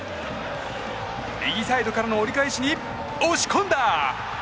右サイドからの折り返しに押し込んだ！